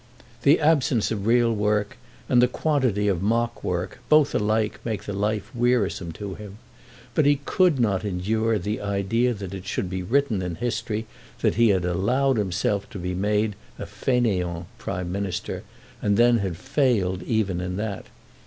The absence of real work, and the quantity of mock work, both alike made the life wearisome to him; but he could not endure the idea that it should be written in history that he had allowed himself to be made a fainéant Prime Minister, and then had failed even in that.